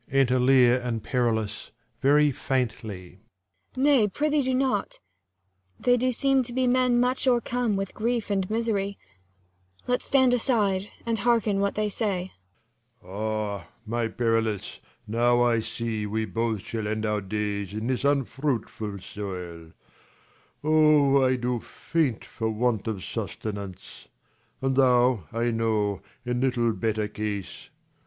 Enter Leir and Perillus very faintly. Cor. Nay, prithee do not, they do seem to be Men much o'ercome with grief and misery^ J?D Y 2 Sc. iv] HIS THREE DAUGHTERS 85 Let's stand aside, and hearken what they say. Lelr. Ah, my Perillus, now I see we both 20 Shall end our days in this unfruitful soil, Oh, I do faint for want of sustenance : And thou, I know, in little better case.